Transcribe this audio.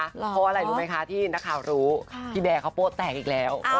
เพราะว่าอะไรรู้ไหมคะที่นักข่าวรู้พี่แบร์เขาโป๊แตกอีกแล้ว